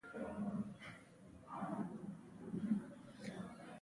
مچلغو سيمه د احمداباد ولسوالی مربوطه منطقه ده